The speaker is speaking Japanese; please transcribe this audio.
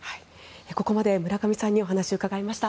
ここまで村上さんにお話を伺いました。